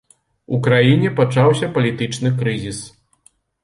У краіне пачаўся палітычны крызіс.